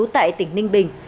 tỉnh ninh bình